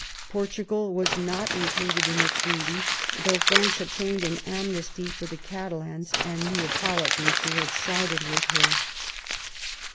Portugal was not included in the treaty, though France obtained an amnesty for the Catalans and Neapolitans who had sided with her.